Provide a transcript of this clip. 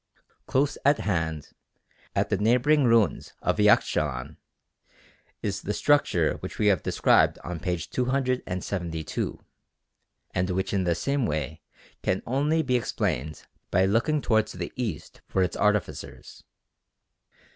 Close at hand, at the neighbouring ruins of Yaxchilan, is the structure which we have described on p. 272, and which in the same way can only be explained by looking towards the East for its artificers.